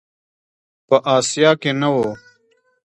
په آسیا کې نه و.